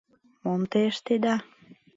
Мом те ыштеда?